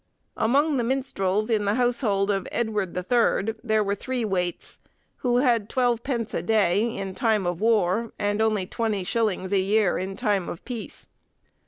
Among the minstrels in the household of Edward the Third, there were three waits, who had 12_d._ a day in time of war, and only 20_s._ a year in time of peace.